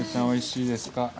おいしいですか？